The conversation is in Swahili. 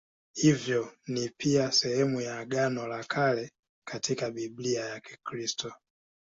Hivyo ni pia sehemu ya Agano la Kale katika Biblia ya Kikristo.